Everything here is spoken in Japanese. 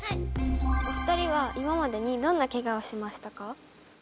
お二人は今までにどんなケガをしましたか？